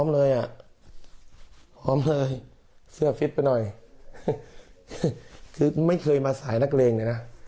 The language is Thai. เลยอ่ะพร้อมเลยเสื้อฟิตไปหน่อยคือไม่เคยมาสายนักเลงเลยนะ